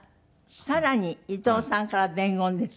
さらに伊東さんから伝言です。